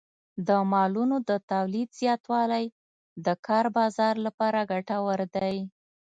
د مالونو د تولید زیاتوالی د کار بازار لپاره ګټور دی.